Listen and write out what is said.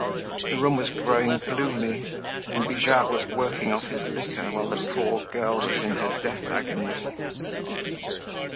The room was growing gloomy and Bijard was working off his liquor while the poor girl was in her death agonies.